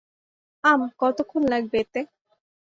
আম, কতক্ষণ লাগবে এতে?